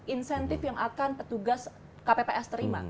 insentif yang akan petugas kpps terima